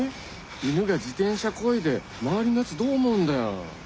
犬が自転車こいで周りのやつどう思うんだよ？